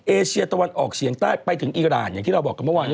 เอเชียตะวันออกเฉียงใต้ไปถึงอีรานอย่างที่เราบอกกันเมื่อวานนี้